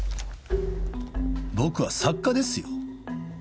僕は作家ですよ。